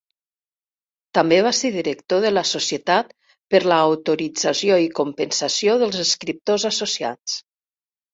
També va ser director de la Societat per l'autorització i compensació dels escriptors associats.